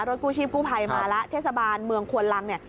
กู้ชีพกู้ภัยมาแล้วเทศบาลเมืองควนลังเนี่ย